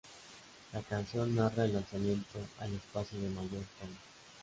La canción narra el lanzamiento al espacio del mayor Tom.